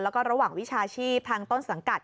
แล้วก็ระหว่างวิชาชีพทางต้นสังกัด